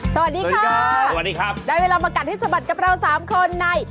สวัสดีค่ะสวัสดีครับได้เวลามากัดให้สะบัดกับเราสามคนใน